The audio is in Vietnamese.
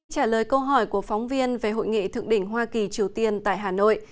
trả lời câu hỏi của phóng viên về hội nghị thượng đỉnh hoa kỳ triều tiên tại hà nội